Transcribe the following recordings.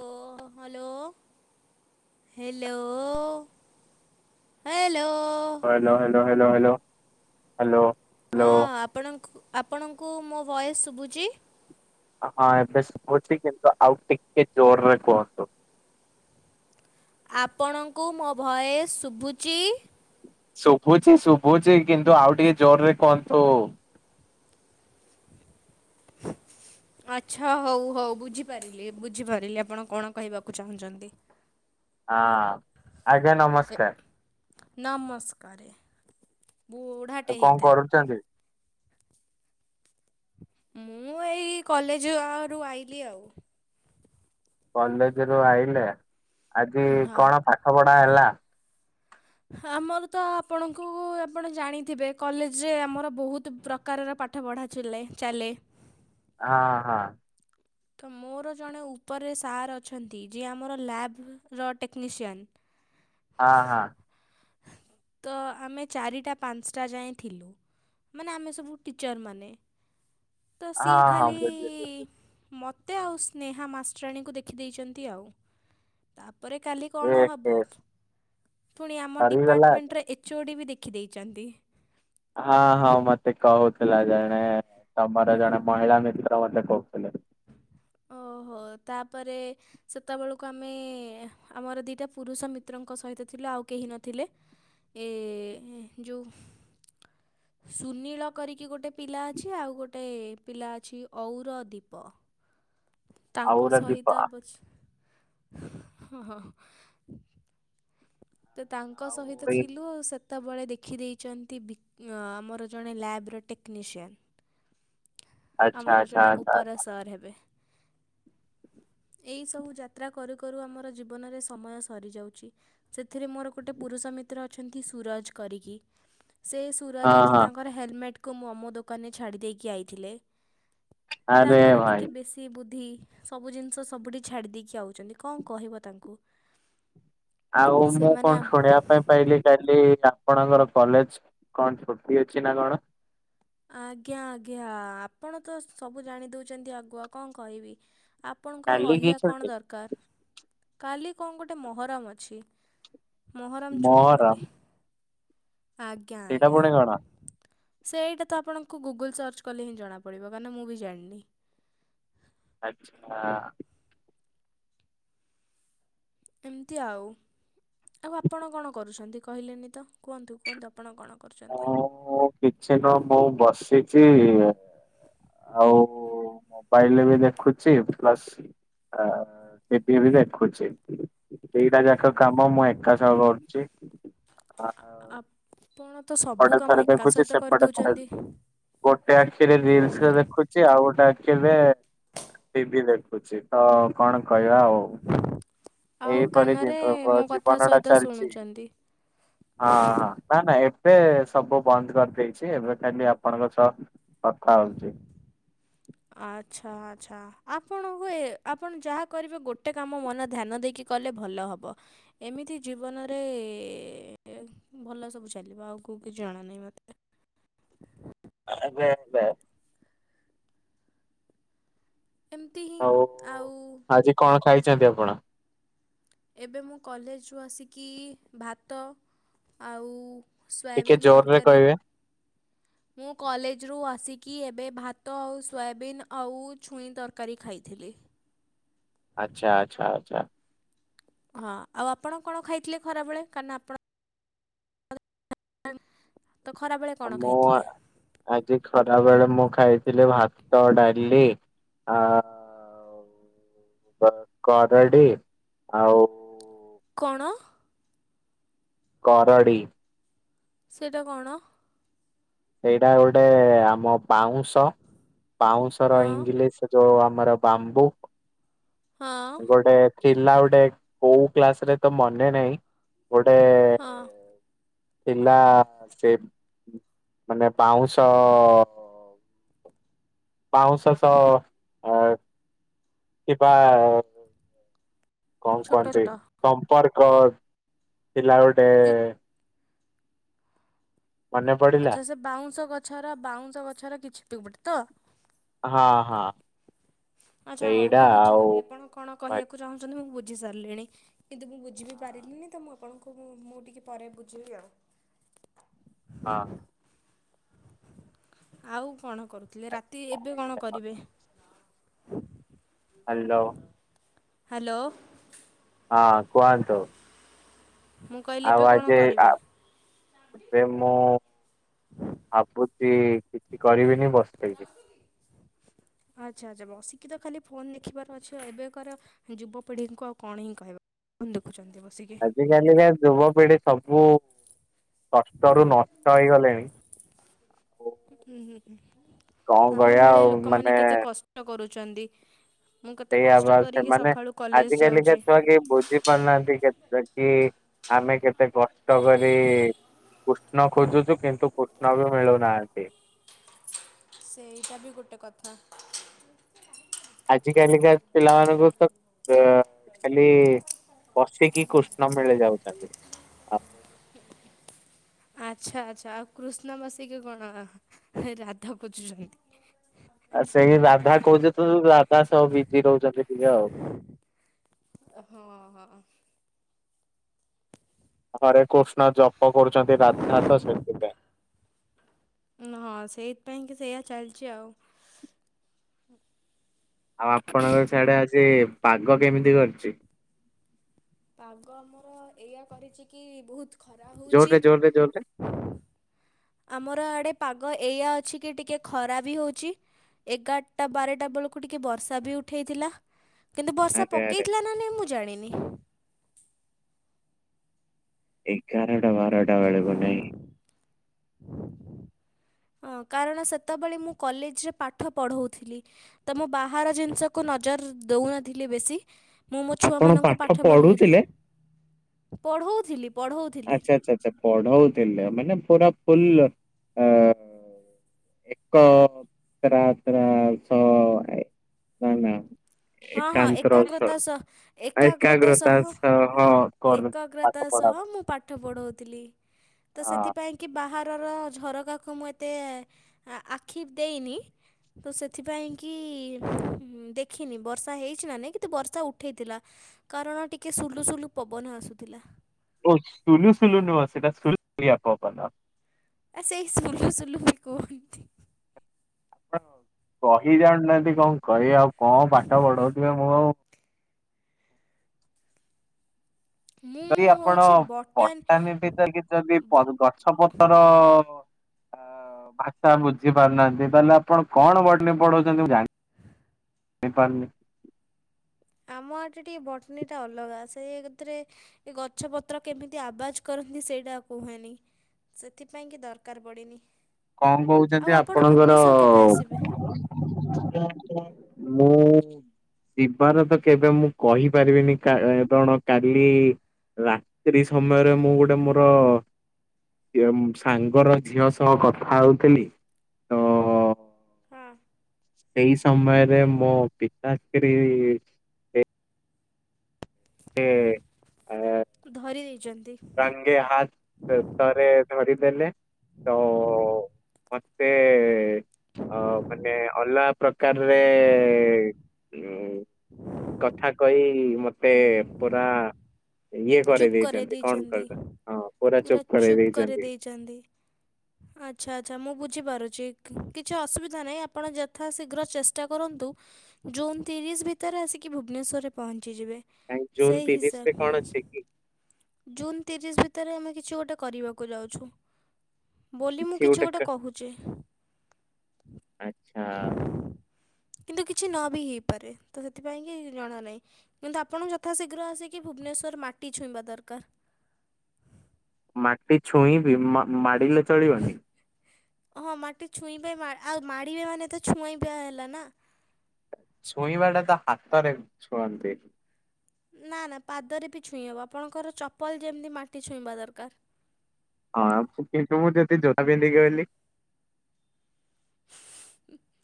ଓ ହ hello. Hello hello. Hello hello hello hello hello ହଁ hello. ଆପଣଙ୍କୁ ଆପଣଙ୍କୁ ମୋ ଭଏସ୍ ଶୁଭୁଛି? ହଁ ଏବେ ଶୁବୁଚି କିନ୍ତୁ ଆଉ ଟିକେ ଜୋରରେ କୁହନ୍ତୁ। ଆପଣଙ୍କୁ ମୋ ଭଏସ ଶୁଭୁଚି। ଶୁଭୁଚି ଶୁଭୁଚି କିନ୍ତୁ ଆଉ ଟିକେ ଜୋରରେ କୁହନ୍ତୁ। ଆଚ୍ଛା ହଉ ହଉ ବୁଝିପାରିଲି ବୁଝିପାରିଲି ଆପଣ କଣ କହିବାକୁ ଚାହୁଁଛନ୍ତି। [inaudible] ହଁ ଆଜ୍ଞା ଏ ନମସ୍କାର। ନମସ୍କାରେ ଆଉ ବୁଢାଟେ କଣ ହେଇଥା କରୁଛନ୍ତି ମୁଁ ଏଇ କଲେଜ ଆରୁ ଆଇଲିି ଆଉ। କଲେଜ ରୁ ଆଇିଲେ ଆଜି ହଁ। କଣ ପାଠ ପଢା ହେଲା? ଆମର ତ ଆପଣଙ୍କୁ ଆପଣ ଜାଣିଥିବେ କଲେଜରେ ଆମର ବହୁତ। ପ୍ରକାରର ପାଠ ପଢ଼ା ଚୁଲେ ଚାଲେ। ହଁ ହଁ। ତ ମୋର ଜଣେ ଉପରେ ସାର୍ ଅଛନ୍ତି ଯିଏ ଆମର ଲ୍ୟାବ ର ଟେକ୍ନିସିଆନ୍। ହଁ ହଁ। ତ ଆମେ ଚାରିଟା ପାଞ୍ଚଟା ଯାଏ ଥିଲୁ। ମାନେ ଆମେ ସବୁ ଟିଚର୍ ମାନେ ତ ସିଏ ହଁ ହଁ ଖାଲି। ବୁଝିଲି ମୋତେ ଆଉ ସ୍ନେହା ମାଷ୍ଟରାଣୀଙ୍କୁ ଦେଖିଦେଇଛନ୍ତି ଆଉ ତାପରେ କାଲି ଏ କଣ ହେ ହବ ପୁଣି ଆମ ସରିଗଲା ଡିପାର୍ଟମେଣ୍ଟରେ ଏଚ୍ ଓ ଡି ବି ଦେଖିଦେଇଛନ୍ତି। ହଁ ହଁ ମତେ କହୁଥିଲା ଜଣେ ତମର ଜଣେ ମହିଳା ମିତ୍ର ମତେ କହୁଥିଲେ। ଓହୋ ତାପରେ ସେତେବେଳକୁ ଆମେ ଆମର ଦିଟା ପୁରୁଷ ମିତ୍ରଙ୍କ ସହିତ ଥିଲୁ ଆଉ କେହି ନଥିଲେ। ଏ ଯେଉଁ [inaudible] ସୁନୀଳ କରିକି ଗୋଟେ ପିଲା ଅଛି ଆଉ ଗୋଟେ ପିଲା ଅଛି ଔରଦୀପ। ତାଙ୍କ ଆଉର ଦୀପ ସହିତ [unintelligible] ତୁ ତାଙ୍କ ସହିତ ଆଉ ଏଇ ଥିଲୁ ସେ ତେବେଳେ ଦେଖିଦେଇଚନ୍ତି ବି ଆମର ଜଣେ ଲ୍ୟାବର ଟେକ୍ନିସିଆନ୍। ଆଚ୍ଛା ଆମର ଆଚ୍ଛା ଜଣେ ଆଚ୍ଛା ଉପର ସାର୍ ହେବେ। ଏଇ ସବୁ ଯାତ୍ରା କରୁ କରୁ ଆମର ଜୀବନରେ ସମୟ ସରିଯାଉଚି। ସେଥିରେ ମୋର ଗୋଟେ ପୁରୁଷ ମିତ୍ର ଅଛନ୍ତି ସୁରଜ କରିକି ସେ ସୁରଜ ହଁ ଆଜି ହଁ ତାଙ୍କର ହେଲମେଟ୍ କୁ ମୋମୋ ଦୋକାନରେ ଛାଡି ଦେଇକି ଆଇଥିଲେ। ଆରେ ତାଙ୍କର ଭାଇ ଟିକେ ବେ ଶୀ ବୁଦ୍ଧି ସବୁ ଜିନିଷ ସବୁଠି ଛାଡି ଦେଇକି ଆଉଚନ୍ତି କଣ କହିବ ତାଙ୍କୁ। ଆଉ ମୁଁ ସେମାନେ କଣ ଆମ- ଶୁଣି ବା ପାଇଁ ପାଇଲି କାଲି ଆପଣଙ୍କର କଲେଜ କଣ ଛୁଟି ଅଛି ନା କଣ। ଆଜ୍ଞା ଆଜ୍ଞା ଆପଣ ତ ସବୁ ଜାଣି ଦୋଉଚନ୍ତି ଆଗୁଆ କଣ କହିବି। ଆପଣଙ୍କୁ ଆଉ କାଲି କି କହିବା କଣ ଛୁଟି ଦର କାର୍ କାଲି କଣ ଗୋଟେ ମହରମ ଅଛି। ମହରମ ଛୁଟି ମୋର କାଲି। ଆଜ୍ଞା ସେଇଟା ଆଜ୍ଞା। ପୁଣି କଣ ସେଇଟା ତ ଆପଣଙ୍କୁ ଗୁଗୁଲ୍ ସର୍ଚ କଲେ ହିଁ ଜଣା ପଡିବ କାରନ ମୁଁ ବି ଜାଣିନି। ଆଚ୍ଛା। ଏମିତି ଆଉ, ଆଉ ଆପଣ କଣ କରୁଚନ୍ତି କହିଲେନି ତ କୁହନ୍ତୁ କୁହନ୍ତୁ? ଆପଣ କଣ କରୁଚନ୍ତି? ମୁଁ କିଛି ନୁହୁଁ। ମୁଁ ବସିଚି ଏଁ। ଆଉ ମୋବାଇଲି ବି ଦେଖୁଚି ପ୍ଲସ୍ ଆ ଟିଭି ବି ଦେଖୁଛି। ଦିଇଟା ଯାକ କାମ ମୁଁ ଏକା ସହ କରୁଚି। ଆ-ଆପଣ ତ ସବୁ ଏପଟେ କାମ ଥରେ ଏକା ଦେଖୁଛି ସହିତ କରି ସେପଟେ ଥରେ ଦୋଉଚନ୍ତି। ଗୋଟେ ଆଖିରେ ରିଲସରେ ଦେଖୁଚି ଆଉ ଗୋଟେ ଆଖିରେ ଟିଭି ଦେଖୁଚି ତ କଣ କହିବା ଆଉ। ଆଉ ଏହି ପରି କାନରେ ମୋ କଥା ଜୀବ-ବ-ଜୀବନ ଟା ସହିତ ଚାଲିଚି। ଶୁଣୁଛନ୍ତି। ହଁ ନା ନାଇ ଏ ଏବେ ସବୁ ବନ୍ଦ କରିଦେଇଚି। ଏବେ ଖାଲି ଆପଣଙ୍କ ସହ କଥା ହୋଉଚି। [unintelligible] ଆଚ୍ଛା ଆଚ୍ଛା ଆପଣ ହୁଏ ଆପଣ ଯାହା କରିବେ ଗୋଟେ କାମ ମନ ଧ୍ୟାନ ଦେଇକି କଲେ ଭଲ ହବ। ଏମିତି ଜୀବନରେ ଭଲ ସବୁ ଚାଲିବ ଆଉ କୋଉ କିଛି ଜଣା ନାହିଁ ମତେ। [unintelligible] ଏମିତି ହିଁ ଆଉ ଆଉ ଆଜି କଣ ଖାଇଚନ୍ତି ଆପଣ? ଏବେ ମୁଁ କଲେଜରୁ ଆସିକି ଭାତ ଆଉ ଟିକେ ସୋୟାବିନ୍ ଜୋରରେ ତରକାରୀ କହିବେ। ମୁଁ କଲେଜରୁ ଆସିକି ଏବେ ଭାତ ଆଉ ସୋୟାବିନ୍ ଆଉ ଛୁଇଁ ତର କାରି ଖାଇଥିଲି। ଆଚ୍ଛା ଆଚ୍ଛ ଆଚ୍ଛା। ହଁ ଆଉ ଆପଣ କଣ ଖାଇଥିଲେ ଖରାବେଳେ? କାରନା ଆପଣ [inaudible] ତ ଖରାବେଳେ ଆ କଣ ମ ଖାଇଥିଲେ? ଆଜି ଖରା ବେଳେ ମୁଁ ଖାଇଥିଲି ଭାତ, ଡାଲି ଆ କରଡି ଆଉ କଣ? କରଡ଼ି। ସେଟା କଣ? ସେଇଟା ଗୋଟେ ଆମ ପାଉଁଶ। ପାଉଁଶ ର ହଁ ଇଂଲିଶ୍ ଯୋଉ ଆମର ବାମ୍ବୁ ହଁ ଗୋଟେ ଥିଲା ଗୋଟେ କୋଉ କ୍ଲାସ୍ ରେ ତ ମନେ ନାହିଁ, ଗୋଟେ ଅଁ। ଥିଲା ସେ ମାନେ ବାଉଁଶ ବାଉଁଶ ସହ ଥିବା କଣ ଛୋଟ କୁହନ୍ତି ଛୋଟ ସମ୍ପର୍କ ଥିଲା ଗୋଟେ। ଯେ ମନେ ପଡ଼ିଲା। ଆଚ୍ଛା ସେ ବାଉଁଶ ଗଛର ବାଉଁଶ ଗଛର କିଛି ପିକ ପଟେ ତ ହଁ ହଁ ଆଛା ହଉ ସେଇଟା ମୁଁ ଆଉ ବୁଝିଗଲି ଆପଣ କଣ ହଁ କହିବାକୁ ଚାହୁଁଛନ୍ତି ମୁଁ ବୁଝି ସାରିଲିଣି? କିନ୍ତୁ ମୁଁ ବୁଝିବି ପାରିଲିନି ତ ମୁଁ ଆପଣଙ୍କୁ ମୁଁ ଟିକଏ ପରେ ବୁଝେଇବି ଆଉ ହଁ। ଆଉ କଣ କରୁଥିଲେ ରାତି ଏବେ କଣ କରିବେ? ହ୍ଯାଲୋ। ହ୍ୟାଲୋ। ହଁ କୁହନ୍ତୁ? ମୁଁ କହିଲି ଏବେ ଆଉ କଣ ଆଜି ଆ କରିବେ? ଏବେ ମୁଁ ଭାବୁଛି କିଛି କରିବିନି ବସି ବି ଆଚ୍ଛା ଆଚ୍ଛା ବସିକି ତ ଖାଲି ଫୋନ୍ ଦେଖିବାର ଅଛି ଏବେ କାର ଯୁବପିଢ଼ିଙ୍କୁ ଆଉ କଣ ହିଁ କହିବା? ଫୋନ ଦେଖୁଛନ୍ତି ବସି କି। ଆଜି କାଲିକା ଯୁବପିଢି ସବୁ ଷଷ୍ଟରୁୁ ନଷ୍ଟ ହେଇଗଲେଣି। ଆଉ ହୁଁ ହୁଁ କଣ ଆମ କହିବା ଭଳିଆ ଆଉ ଲୋକମାନେ ମାନେ କେତେ କଷ୍ଟ କରୁଛନ୍ତି। ମୁଁ କେତେ ସେଇଆ କଷ୍ଟ ବା କରିକି ସେମାନେ ସକାଳୁ କଲେଜ ଆଜି କାଲିକା ଯାଉଛି। ଛୁଆ କେହି ବୁଝି ପାରୁନାହାନ୍ତି କେବେ କି ଆମେ କେତେ କଷ୍ଟ କରି କୃଷ୍ଣ ଖୋଜୁଛୁ କିନ୍ତୁ କୃଷ୍ଣ ବି ମିଳୁନାହାନ୍ତି। ସେଇଟା ବି ଗୋଟେ କଥା। ଆଜି କାଲିିକା ପିଲମାନକୁ ତ ଖାଲି ବସିକି କୃଷ୍ଣ ମିଳି ଯାଉଛନ୍ତି। ଆଉ ଆଚ୍ଛା ଆଚ୍ଛା ଆଉ କୃଷ୍ଣ ବସିକି କଣ ରାଧା ଖୋଜୁଛନ୍ତି? ଆ ସେଇ ରାଧା କହୁଛ ତ ରାଧା ସବୁ ବିଜି ରହୁଛନ୍ତି ଟିକେ ଆଉ ହଁ ହଁ। ହରେ କୃଷ୍ଣ ଜପ କରୁଛନ୍ତି ରାଧା ତ ସେଥିପାଇଁ। ହଁ ସେଇଥିପାଇଁ କି ସେଇୟା ଚାଲିଛି ଆଉ ଆଉ ଆପଣଙ୍କ ସିଆଡେ ଆଜି ପାଗ କେମିତି କରିଛି? ପାଗ ଆମର ଏଇଆ କରିଛି କି ବହୁତ ଖରା ହଉଛି। ଜୋରରେ ଜୋରରେ ଜୋର ରେ ଆମର ଆଡ଼େ ପାଗ ଏଇଆ ଅଛି କି ଟିକେ ଖରା ବି ହଉଛି। ଏଗାରଟା ବାରଟା ବେଳକୁ ଟିକେ ବର୍ଷା ବି ଉଠେଇଥିଲା। କିନ୍ତୁ ବର୍ଷା ଆରେ ଆରେ ପକେଇଥିଲା ନା ନାଇଁ ମୁଁ ଜାଣିନି। ଏଗରଟା ବାରଟା ବେଳକୁ ନାଇ। ହଁ କାରଣ ସେତେବେଳେ ମୁଁ କଲେଜରେ ପାଠ ପଢ଼ଉଥିଲି। ତ ମୁଁ ବାହାର ଜିନିଷକୁ ନଜର ଦଉନଥିଲି ବେଶୀ। ମୁଁ ମୋ ଆପଣ ଛୁଆମାନଙ୍କୁ ପାଠ ପଢ଼ିଆରେ ପଢୁଥିଲେ? ପଢ଼ଉଥିଲି ପଢ଼ଉଥିଲି। ସେ ପଢଉଥିଲେ ମାନେ ପୁରା ଫୁଲ ଅ ଏକ ତ୍ର [unintelligible] ହଁ ହଁ ଏକାଗ୍ରତା ସହ ଏକାଗ୍ରତା ସହ କରୁ ପାଠ ଏକାଗ୍ରତା ପଢା ସହ ମୁ ପାଠ ପଢଉଥିଲି ତ ହଁ। ସେଥିପାଇଁ କି ବାହାରର ଝରକାକୁ ମୁଁ ଏତେ ଆଖି ଦେଇନି। ତ ସେଥିପାଇଁ କି ଦେଖିନି ବର୍ଷା ହେଇଛି ନା ନାଇଁ କିନ୍ତୁ ବର୍ଷା ଉଠେଇଥିଲା। କାରଣ ଟିକେ ସୁଲୁ ସୁଲୁ ପବନ ଆସୁଥିଲା। ଓ ସୁଲୁ ସୁଲୁ ନୁହଁ ସେଇଟା ସୁଲୁ ସୁଲିଆ ପବନ। ଆ ସେଇ ଶୁଲୁ ଶୁଲୁ ବି କୁହ ନ୍ତି। ଆପଣ କହି ଯାଣନାହାନ୍ତି କଁ କହିବେ ଆଉ କଁ ପାଠ ପଢଉଥିବେ ମୁଁ ଆଉ ମୁଁ ଯଦି ଆପଣ ହେଉଛି ବଟାନ ବଟାନୀ ଭିତରେ କି ଯଦି ବ ଗଛପତ୍ର ଭାଷା ବୁଝି ପାରୁନାହାନ୍ତି ତାହେଲେ ଆପଣ କଣ ବଟିନି ପଢଉଛନ୍ତି ମୁ ଜା ନେପାଲ ଆମ ଆଟରେ ଟିକେ ବଟନୀଟା ଅଲଗା ସେଇଥିରେ ଏ ଗଛ ପତ୍ର କେମିତି ଆବାଜ କରନ୍ତି ସେଇଟା କୁହେନି। ସେଥିପାଇଁ କି ଦରକାର ପଡ଼ିନି, କଣ କହୁଛନ୍ତି ଆଉ ଆପଣ ଆପଣଙ୍କର ଭୁବନେସ୍ୱର କେବେ ଆସିବେ? [inaudible] ମୁଁ ଯିବାର ତ କେବେ ମୁଁ କହିପାରିବିନି କଣ କାଲି ରାତ୍ରି ସମୟରେ ମୁଁ ଗୋଟେ ମୋର ସାଙ୍ଗର ଝିଅ ସହ କଥା ହଉଥିଲି ତ ହଁ। ସେଇ ସମୟରେ ମୋ ପିତାଶ୍ରୀ ଏ ଧରି ଦେଇଛନ୍ତି। ତାଙ୍ଗେ ହାତ ଥରେ ଧରିଦେଲେ। ତ ମତେ ଅ ମାନେ ଅଲା ପ୍ରକାରରେ ଉ କଥା କହି ମତେ ପୁରା ଇଏ କରି ଦେଇଛନ୍ତି। କଣ ଛନ୍ତି କହିଲ ହଁ ପୁରା କରେଇ ଚୁପ୍ କରି ଦେଇଛନ୍ତି ଦେଇଚନ୍ତି। ଆଚ୍ଛା ଆଚ୍ଛା ମୁଁ ବୁଝିପାରୁଛି କିଛି ଅସୁବିଧା ନାହିଁ, ଆପଣ ଯଥା ଶୀଘ୍ର ଚେଷ୍ଟା କରନ୍ତୁ ଜୁନ୍ ତିରିଶ ଭିତରେ ଆସିକି ଭୁବନେଶ୍ୱରରେ ପହଞ୍ଚିଯିବେ। କାଇଁ ଜୁନ୍ ସେଇ ତିରିଶ ହିସାବ ରେ କଣ ଅଛି କି? ଜୁନ୍ ତିରିଶ ଭିତରେ ଆମେ କିଛି ଗୋଟେ କରିବାକୁ ଯାଉଛୁ, ବୋଲି ମୁଁ କିଛି ଗୋଟେ କହୁ ଚି। ଆଛା। କିନ୍ତୁ କିଛି ନ ବି ହେଇପାରେ ତ ସେଥିପାଇଁ କି ଜଣା ନାହିଁ। କିନ୍ତୁ ଆପଣ ଯଥାଶୀଘ୍ର ଆସିକି ଭୁବନେଶ୍ଵର ମାଟି ଛୁଇଁବା ଦରକାର। ମାଟି ଛୁଇଁବି ମାଡିଲେ ଚଳିବନି। ହଁ ମାଟି ଛୁଇଁବେମା ଆଉ ମାଡ଼ିବେ ମାନେ ତ ଛୁଇଁବା ହେଲା ନା? ଛୁଇଁବା ଟା ତ ହାତରେ ଛୁଅନ୍ତି। ନା ନା ପାଦରେ ବି ଛୁଇଁ ହେବ ଆପଣଙ୍କର ଚପଲ ଯେମିତି ମାଟି ଛୁଇଁବା ଦରକାର। ହଁ କିନ୍ତୁ ମୁଁ ଯଦି ଜୋତା ପିନ୍ଧିକି ଗଲି। [unintelligible]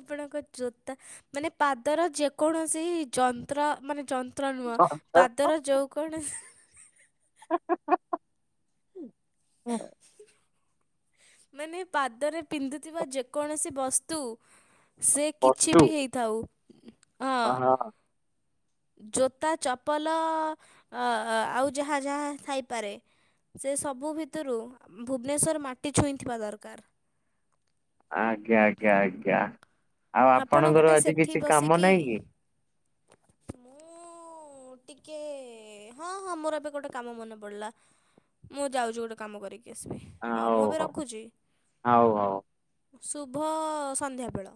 ଆପଣଙ୍କ ଜୋତା ମାନେ ପାଦର ଯେକୌଣସି ଯନ୍ତ୍ର ମାନେ ଯ ପତ୍ର ନୁହଁ ପାଦର ଯଉ କୌଣ [unintelligible] ହୁଁ। ମାନେ ପାଦରେ ପିନ୍ଧୁଥିବା ଯେକୌଣସି ବସ୍ତୁ ସେ କିଛି ବସ୍ତୁ ବି ହେଇ ଥାଉ ହଁ। ଜୋତା ଚପଲ ଆଉ ଯାହା ଯାହା ଥାଇପାରେ। ସେ ସବୁ ଭିତୁରୁ ଭୁବନେଶ୍ଵର ମାଟି ଛୁଇଁଥିବା ଦରକାର। ଆଜ୍ଞା ଆଜ୍ଞା ଆଜ୍ଞା। ଆଉ ଆପଣ ଆପଣଙ୍କର ଗୋଟେ ଆଜି ସେଠି କିଛି କାମ ବସିକି ନାହିଁ କି ମୁଁ ମୁଁ ଟିକେ ହଁ ହଁ ମୋର ଏବେ ଗୋଟେ କାମ ମନେ ପଡିଲା। ମୁଁ ଯାଉଛି ଗୋଟେ କାମ କରିକି ଆସିବି। ହଉ ମୁଁ ଏବେ ରଖୁଛି ହଉ ହଉ। ଶୁଭ ସନ୍ଧ୍ୟା ବେଳ।